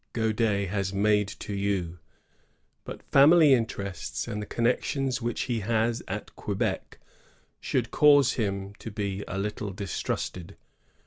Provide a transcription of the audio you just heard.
Gaudais has made to you, l^ut family interests and the connections which he has at Quebec should cause him to be a little distrusted.